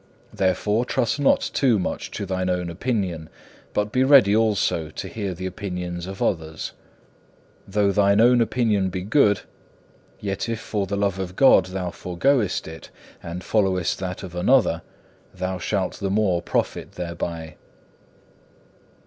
Therefore trust not too much to thine own opinion, but be ready also to hear the opinions of others. Though thine own opinion be good, yet if for the love of God thou foregoest it, and followest that of another, thou shalt the more profit thereby.